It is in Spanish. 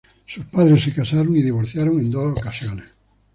Sus padres se casaron y divorciaron en dos ocasiones.